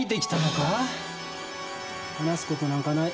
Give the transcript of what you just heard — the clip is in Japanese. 話すことなんかない。